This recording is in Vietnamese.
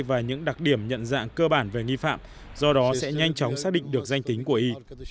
và những đặc điểm nhận dạng cơ bản về nghi phạm do đó sẽ nhanh chóng xác định được danh tính của y